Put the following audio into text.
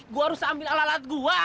gua harus ambil alat alat gua